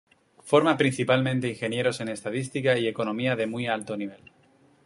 Forma principalmente ingenieros en estadística y economía de muy alto nivel.